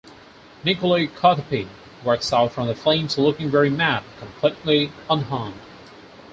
Nicolae Carpathia walks out from the flames looking very mad, completely unharmed.